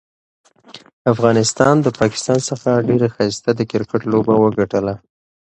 افغانستان ده پاکستان څخه ډيره ښايسته د کرکټ لوبه وګټله.